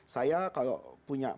saya kalau punya panitia